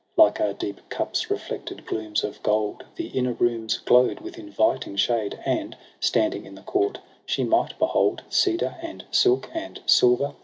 Like a deep cup's reflected glooms of gold, The inner rooms glow'd with inviting shade : And, standing in the court, she might behold Cedar, and silk, and silver